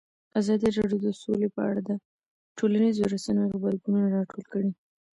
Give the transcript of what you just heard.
ازادي راډیو د سوله په اړه د ټولنیزو رسنیو غبرګونونه راټول کړي.